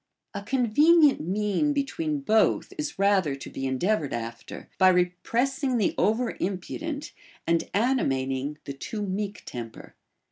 A convenient mien betAveen both is rather to be endeav ored after, by repressing the over impudent, and ani mating the too meek temper.